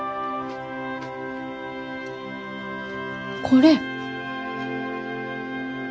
これ。